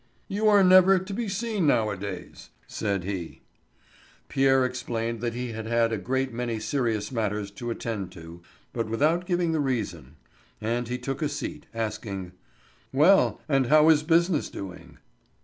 "You are never to be seen nowadays," said he. Pierre explained that he had had a great many serious matters to attend to, but without giving the reason, and he took a seat, asking: "Well, and how is business doing?"